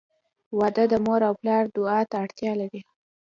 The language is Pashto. • واده د مور او پلار دعا ته اړتیا لري.